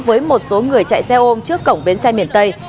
với một số người chạy xe ôm trước cổng bến xe miền tây